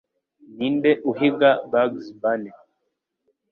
Ninde uhiga Bugs Bunny